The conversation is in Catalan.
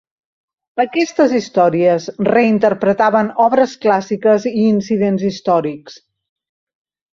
Aquestes històries reinterpretaven obres clàssiques i incidents històrics.